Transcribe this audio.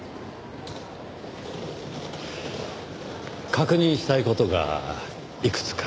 確認したい事がいくつか。